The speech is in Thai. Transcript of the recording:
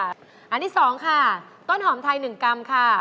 อันที่๒ค่ะต้นหอมไทย๑กรัมค่ะ